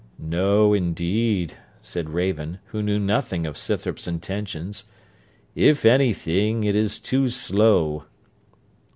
'No, indeed,' said Raven, who knew nothing of Scythrop's intentions; 'if any thing, it is too slow.'